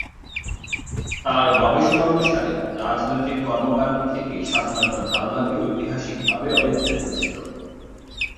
তার গবেষণা অনুসারে, রাজনৈতিক কর্মকাণ্ড থেকে স্বাধীনতার ধারণাটি ঐতিহাসিকভাবে অবিচ্ছেদ্য ছিল।